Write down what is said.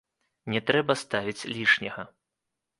Не трэба ставіць лішняга.